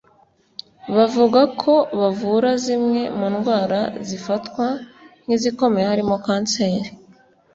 bavuga ko bavura zimwe mu ndwara zifatwa nk’izikomeye harimo kanseri